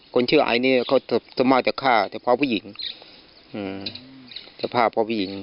คนเชื่ออัยนี้เขาส่วนมากจะฆ่าพระผู้หญิงอืมจะฆ่าพระผู้หญิง